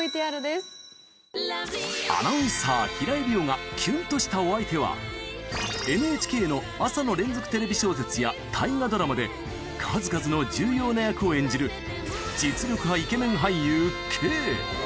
アナウンサー、平井理央がキュンとしたお相手は、ＮＨＫの朝の連続テレビ小説や大河ドラマで、数々の重要な役を演じる、実力派イケメン俳優Ｋ。